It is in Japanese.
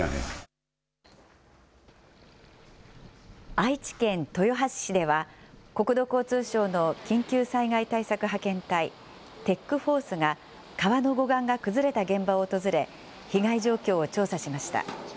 愛知県豊橋市では、国土交通省の緊急災害対策派遣隊、ＴＥＣーＦＯＲＣＥが川の護岸が崩れた現場を訪れ、被害状況を調査しました。